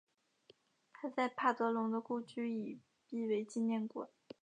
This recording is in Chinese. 他在帕德龙的故居已辟为纪念馆。